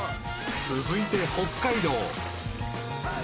［続いて北海道］